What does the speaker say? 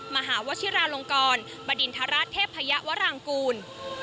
มหาวชิราลงกรบรรดินทรัศน์เทพพยะวรังกูล